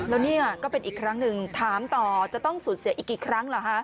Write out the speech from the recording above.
แล้วนี่ก็เป็นอีกครั้งหนึ่งถามต่อจะต้องสูญเสียอีกกี่ครั้งเหรอฮะ